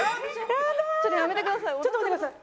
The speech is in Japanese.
ちょっとやめてください。